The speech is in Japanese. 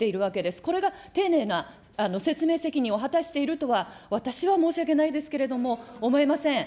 これが丁寧な説明責任を果たしているとは、私は申し訳ないですけれども、思いません。